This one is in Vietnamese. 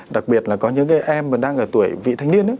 đặc biệt là có những cái em mà đang ở tuổi vị thanh niên